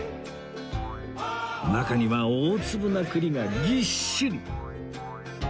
中には大粒な栗がぎっしり